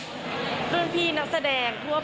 ด้วยพี่นักแสดงทั่วไปนะคะ